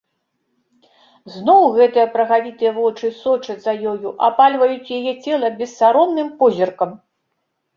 Зноў гэтыя прагавітыя вочы сочаць за ёю, апальваюць яе цела бессаромным позіркам.